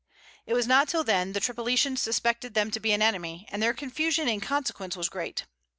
It was not till then the Tripolitans suspected them to be an enemy; and their confusion in consequence was great.